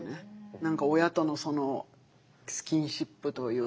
何か親とのそのスキンシップというか会話というか。